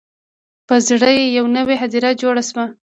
په زړه یې یوه نوي هدیره جوړه شوه